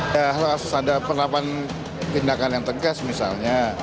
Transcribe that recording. kalau ada penerapan tindakan yang tegas misalnya